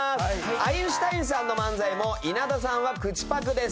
アインシュタインさんの漫才も稲田さんは口パクです。